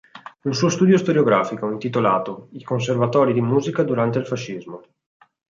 Un suo studio storiografico, intitolato "I Conservatori di musica durante il fascismo.